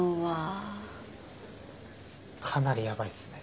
かなりヤバいっすね。